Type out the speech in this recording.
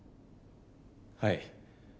はい。